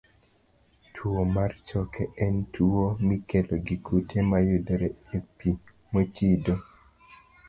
Tuwo mar choke en tuwo mikelo gi kute mayudore e pi mochido.